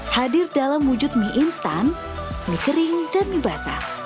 hadir dalam wujud mie instan mie kering dan mie basah